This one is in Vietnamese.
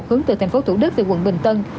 hướng từ tp thủ đức về quận bình tân